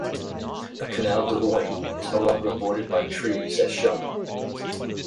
The Canal du Loing is no longer bordered by trees as shown.